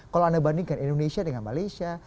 kalau anda bandingkan indonesia dengan malaysia